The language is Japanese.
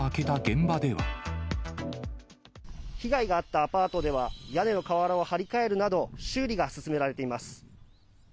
被害があったアパートでは、屋根の瓦を張り替えるなど、修理が進められています。